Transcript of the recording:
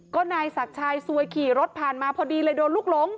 ก็นายศักดิ์ชายซวยขี่รถผ่านมาพอดีเลยโดนลูกหลง